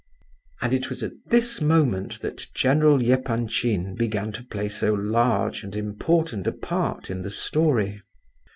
And it was at this moment that General Epanchin began to play so large and important a part in the story.